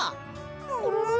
ももも？